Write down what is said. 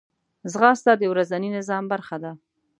ځغاسته د ورځني نظام برخه ده